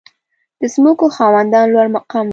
• د ځمکو خاوندان لوړ مقام درلود.